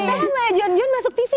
pertama mbak john john masuk tv nya